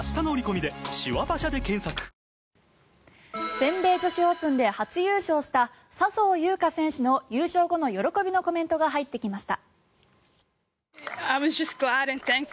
全米女子オープンで初優勝した笹生優花選手の優勝後の喜びのコメントが入ってきました。